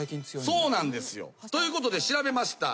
そうなんですよ。ということで調べました。